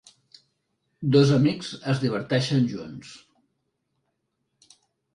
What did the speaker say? Dos amics es diverteixen junts.